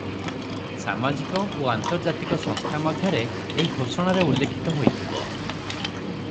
ସାମାଜିକ ଓ ଆନ୍ତର୍ଜାତିକ ସଂସ୍ଥା ମଧ୍ୟରେ ଏହି ଘୋଷଣାରେ ଉଲ୍ଲିଖିତ ହୋଇଥିବ ।